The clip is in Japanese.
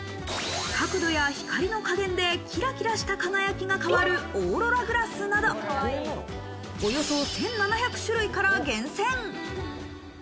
角度や光の加減でキラキラした輝きが変わるオーロラグラスなど、およそ１７００種類から厳選。